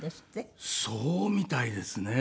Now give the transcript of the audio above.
そうみたいですね。